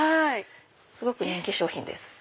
すごく人気商品です。